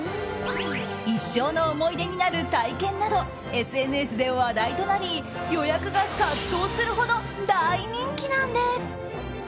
一生の思い出になる体験などＳＮＳで話題となり予約が殺到するほど大人気なんです。